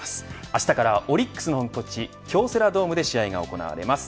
あしたからはオリックスの本拠地京セラドームで試合が行われます。